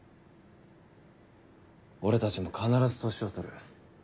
俺たちも必ず年を取る。